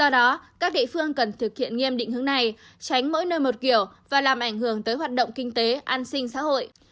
đây tránh mỗi nơi một kiểu và làm ảnh hưởng tới hoạt động kinh tế an sinh xã hội